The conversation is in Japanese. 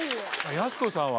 やす子さんは。